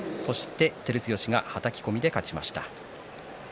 照強がはたき込みで勝ちました。